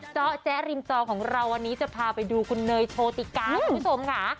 เจาะแจ๊ริมจอของเราวันนี้จะพาไปดูคุณเนยโชติกาคุณผู้ชมค่ะ